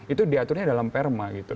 itu diaturnya dalam perma